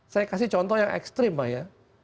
saya kasih contoh yang ekstrim pak ya